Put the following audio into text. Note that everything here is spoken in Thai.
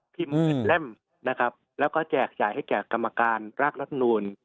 ทิ้งมีอีกเล่มนะครับแล้วก็จากหลายให้จากกรรมการรากรัฐนูล